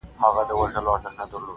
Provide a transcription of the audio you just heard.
دا پاته عمر ملګي کومه ښه کومه ,